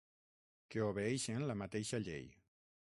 Que obeeixen la mateixa llei.